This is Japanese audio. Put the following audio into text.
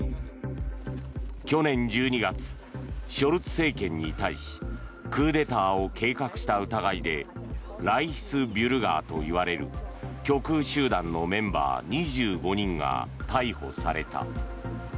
去年１２月、ショルツ政権に対しクーデターを計画した疑いでライヒスビュルガーといわれる極右集団のメンバー２５人が逮捕された。